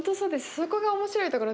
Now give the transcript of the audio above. そこが面白いところですよね